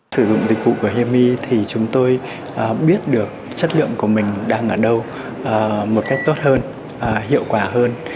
sử dụng dịch vụ của himi thì chúng tôi biết được chất lượng của mình đang ở đâu một cách tốt hơn hiệu quả hơn